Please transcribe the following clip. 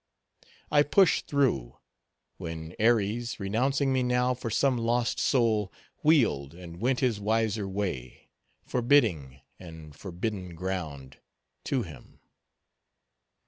I pushed through; when Aries, renouncing me now for some lost soul, wheeled, and went his wiser way. Forbidding and forbidden ground—to him.